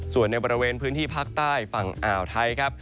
ส่วนในบริเวณพื้นที่ภาคใต้ฝั่งอ่าวไทยครับ